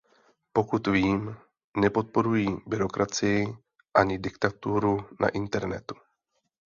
Pokud vím, nepodporují byrokracii ani diktaturu na internetu.